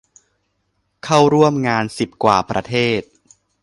เข้าร่วมงานสิบกว่าประเทศ